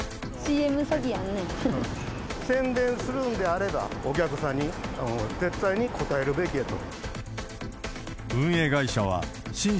宣伝するんであれば、お客さんに絶対に応えるべきやと。